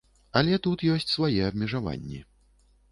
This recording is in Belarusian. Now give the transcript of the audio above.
Але тут ёсць свае абмежаванні.